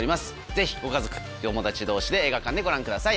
ぜひご家族友達同士で映画館でご覧ください。